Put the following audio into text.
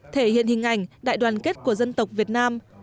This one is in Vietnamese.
thể hiện hình ảnh đại đoàn kết của dân tộc việt nam